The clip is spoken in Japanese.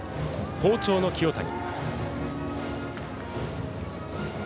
好調の清谷。